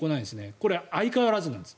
これは相変わらずなんです。